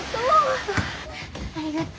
ありがとう。